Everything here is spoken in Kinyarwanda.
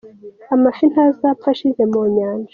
Amafi ntazapfa ashize munyanja.